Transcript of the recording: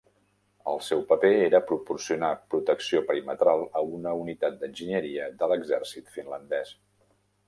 El seu paper era proporcionar protecció perimetral a una unitat d'enginyeria de l'exèrcit finlandès.